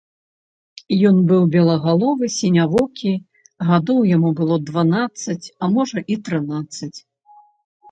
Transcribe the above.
Ён быў белагаловы, сінявокі, гадоў яму было дванаццаць, а можа і трынаццаць.